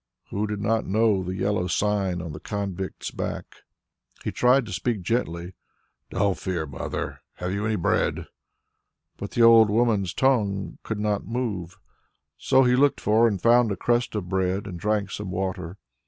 Who did not know the yellow sign on the convict's back? He tried to speak gently. "Don't fear, mother! Have you any bread?" But the old woman's tongue could not move. So he looked for and found a crust of bread and drank some water.